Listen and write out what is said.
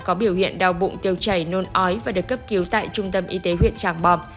có biểu hiện đau bụng tiêu chảy nôn ói và được cấp cứu tại trung tâm y tế huyện tràng bom